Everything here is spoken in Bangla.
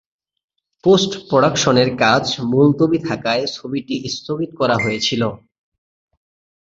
পোস্ট-প্রডাকশনের কাজ মুলতুবি থাকায় ছবিটি স্থগিত করা হয়েছিল।